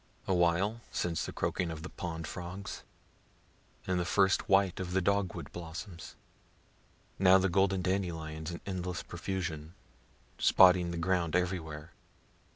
A while since the croaking of the pond frogs and the first white of the dog wood blossoms. Now the golden dandelions in endless profusion, spotting the ground everywhere.